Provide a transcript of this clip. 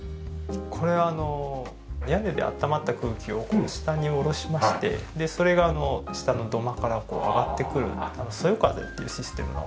これは屋根で暖まった空気を下に下ろしましてでそれが下の土間からこう上がってくる「そよ風」っていうシステムの。